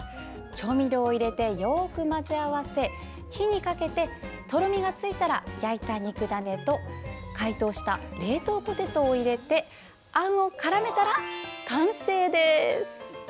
調味料を入れて、よく混ぜ合わせ火にかけて、とろみがついたら焼いた肉ダネと解凍した冷凍ポテトを入れてあんをからめたら完成です。